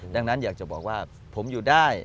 ดังนั้นอยากจะบอกว่าผมอยู่ได้